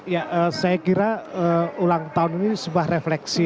ya saya kira ulang tahun ini sebuah refleksi